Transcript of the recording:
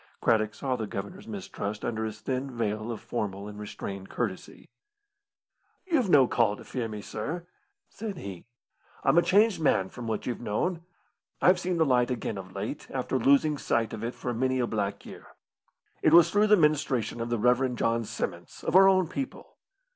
Craddock saw the Governor's mistrust under his thin veil of formal and restrained courtesy. "You've no call to fear me, sir," said he; "I'm a changed man from what you've known. I've seen the light again of late, after losing sight of it for many a black year. It was through the ministration of the Rev. John Simons, of our own people.